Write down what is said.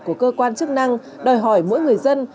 của cơ quan chức năng đòi hỏi mỗi người dân